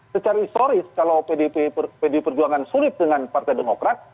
secara historis kalau pd perjuangan sulit dengan partai demokrasi